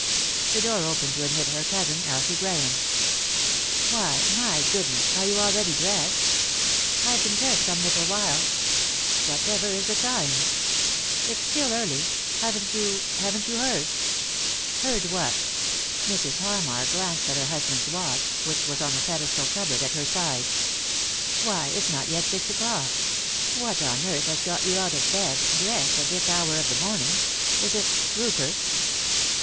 The door opened to admit her cousin, Elsie Grahame. "Why — my goodness I — are you already dressed?" " I've been dressed some little while." ;«y?e.c.V GOOglC THE INTERRUPTED KISS " Whatever is the time ?" "It's stDl early. Haven't you — haven't yon beard?" "Heard what?" Mrs, Harmar glanced at her husband's watch, which was on the pedestal cupboard at her side. " Why, it's not yet six o'clock ! What on earth has got you out of bed— dressed 1— at this hour of the morning ? Is it— Rupert